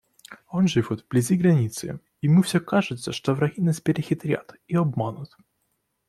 Он живет близ границы, и ему все кажется, что враги нас перехитрят и обманут.